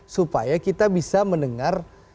supaya kita bisa mendengar